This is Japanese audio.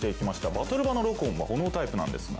バトル場のロコンはほのおタイプなんですが。